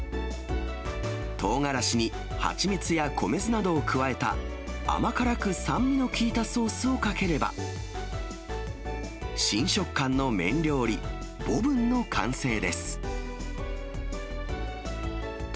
トウガラシに蜂蜜や米酢などを加えた甘辛く酸味の効いたソースをかければ、新食感の麺料理、ボブンの完成です。